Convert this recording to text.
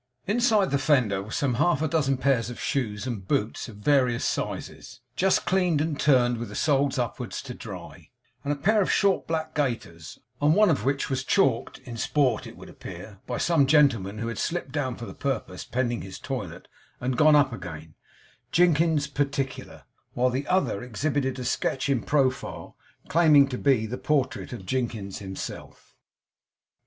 Inside the fender were some half dozen pairs of shoes and boots, of various sizes, just cleaned and turned with the soles upwards to dry; and a pair of short black gaiters, on one of which was chalked in sport, it would appear, by some gentleman who had slipped down for the purpose, pending his toilet, and gone up again 'Jinkins's Particular,' while the other exhibited a sketch in profile, claiming to be the portrait of Jinkins himself.